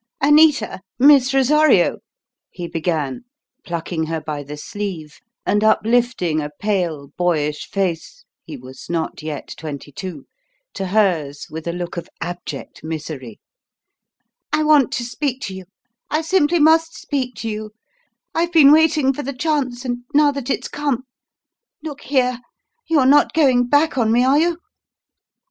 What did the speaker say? "Anita Miss Rosario!" he began, plucking her by the sleeve and uplifting a pale, boyish face he was not yet twenty two to hers with a look of abject misery. "I want to speak to you I simply must speak to you. I've been waiting for the chance, and now that it's come Look here! You're not going back on me, are you?"